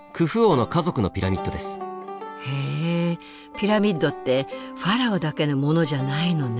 ピラミッドってファラオだけのものじゃないのね。